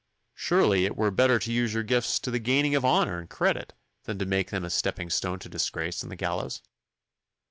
Surely it were better to use your gifts to the gaining of honour and credit, than to make them a stepping stone to disgrace and the gallows?